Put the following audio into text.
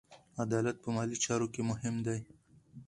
عدالت په مالي چارو کې مهم دی.